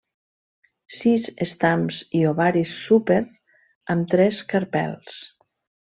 Sis estams i ovari súper amb tres carpels.